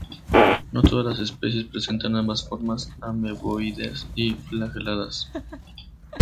No todas las especies presentan ambas formas, ameboides y flageladas.